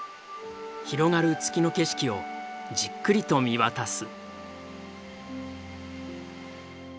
広がる月の景色をじっくりと見渡す。